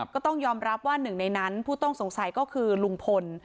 ก็ต้องยอมรับว่าหนึ่งในนั้นผู้ต้องสงสัยก็คือลุงพล